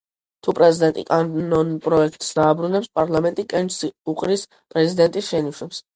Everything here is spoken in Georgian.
თუ პრეზიდენტი კანონპროექტს დააბრუნებს, პარლამენტი კენჭს უყრის პრეზიდენტის შენიშვნებს.